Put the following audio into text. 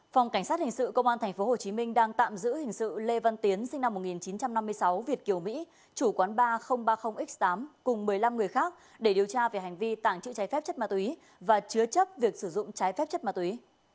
phòng cảnh sát hình sự công an tp hcm đang tạm giữ hình sự lê văn tiến sinh năm một nghìn chín trăm năm mươi sáu việt kiều mỹ chủ quán ba nghìn ba mươi x tám cùng một mươi năm người khác để điều tra về hành vi tàng trữ trái phép chất ma túy và chứa chấp việc sử dụng trái phép chất ma túy